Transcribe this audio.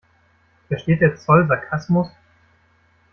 Versteht der Zoll Sarkasmus?